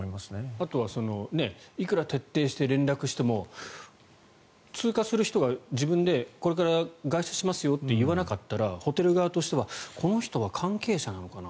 あとはいくら徹底して連絡しても通過する人が自分でこれから外出しますよって言わなかったらホテル側としてはこの人は関係者なのかな？